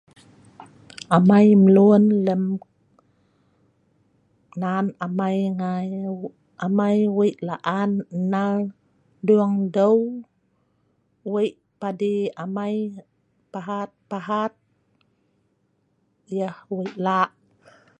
Amai mluen lem nan amai ngai, amai wei la'an nnal dueng deu, wei padi amai pahat pahat yeh wei la'a.